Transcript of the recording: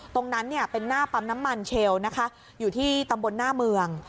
ตรงนั้นเป็นหน้าปั๊มน้ำมันเชลล์นะคะอยู่ที่ตำรวจสพเมือง